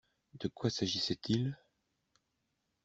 De quoi s'agissait-il?